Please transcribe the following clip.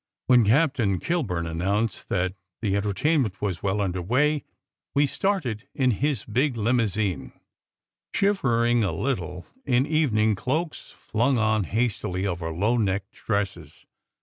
When Captain Kilburn announced that the entrainment was well under way, we started in his big limousine, shivering a little in evening cloaks flung on hastily over low necked dresses.